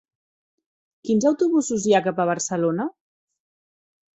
Quins autobusos hi ha cap a Barcelona?